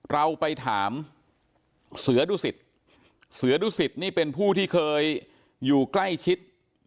เราไปถามเสือดุสิตเสือดุสิตนี่เป็นผู้ที่เคยอยู่ใกล้ชิด